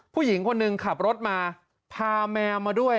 ผู้หญิงคนหนึ่งขับรถมาพาแมวมาด้วย